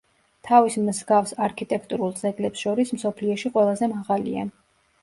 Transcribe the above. თავის მსგავს არქიტექტურულ ძეგლებს შორის მსოფლიოში ყველაზე მაღალია.